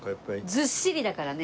ずっしりだからね。